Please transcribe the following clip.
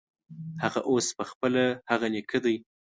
هغه اوس پخپله هغه نیکه دی.